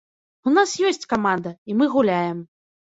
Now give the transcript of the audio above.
У нас ёсць каманда, і мы гуляем.